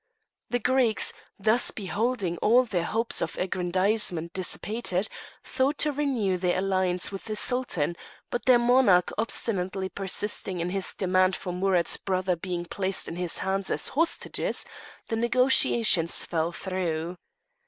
The Greeks, thus beholding all their hopes of aggrandizement dissipated, sought to renew their alliance with the Sultan, but their monarch obstinately persisting in his demand for Amurath's brothers being placed in his hands as hostages, the negotiations fell through.